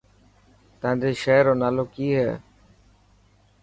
تانجي شهر رو نالو ڪي هي.